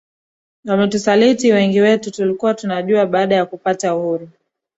wametusaliti wengi wetu tulikuwa tunajua baada ya kupata uhuru